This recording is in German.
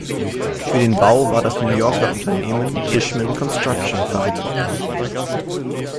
Für den Bau war das New Yorker Unternehmen Tishman Construction verantwortlich.